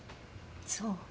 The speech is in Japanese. そう。